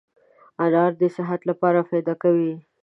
انار دي صحت لپاره فایده کوي